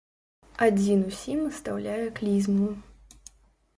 Адзін усім устаўляе клізму.